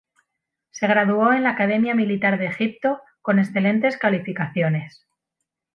Se graduó en la Academia Militar de Egipto con excelentes calificaciones.